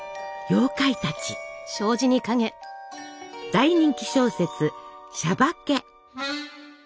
大人気小説「しゃばけ」。